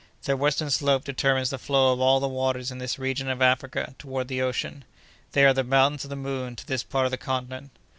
Their western slope determines the flow of all the waters in this region of Africa toward the ocean. They are the Mountains of the Moon to this part of the continent.